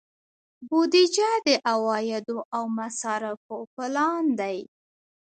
بودجه د عوایدو او مصارفو پلان دی